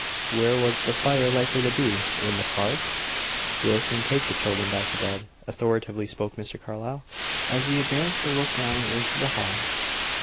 Where was the fire likely to be in the park?" "Wilson take the children back to bed," authoritatively spoke Mr. Carlyle, as he advanced to look down into the hall.